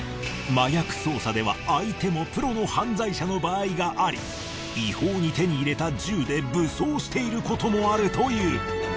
麻薬捜査では相手もプロの犯罪者の場合があり違法に手に入れた銃で武装していることもあるという。